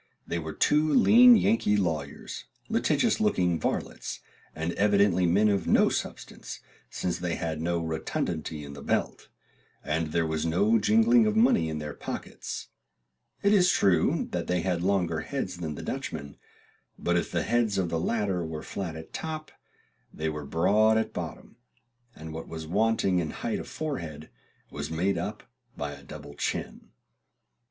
They were two lean Yankee lawyers, litigious looking varlets, and evidently men of no substance, since they had no rotundity in the belt, and there was no jingling of money in their pockets; it is true they had longer heads than the Dutchmen; but if the heads of the latter were flat at top, they were broad at bottom, and what was wanting in height of forehead was made up by a double chin.